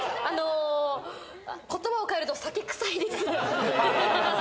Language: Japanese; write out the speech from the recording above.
言葉を変えると酒臭いです。